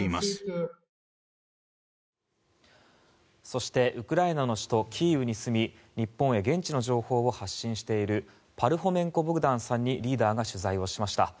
そしてウクライナの首都キーウに住み日本へ現地の情報を発信しているパルホメンコ・ボグダンさんにリーダーが取材をしました。